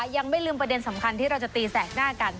ยังไม่ลืมประเด็นสำคัญที่เราจะตีแสกหน้ากัน